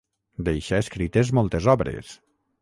Deixà escrites moltes obres.